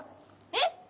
えっ！